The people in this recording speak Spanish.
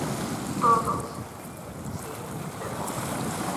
Todos en Si bemol.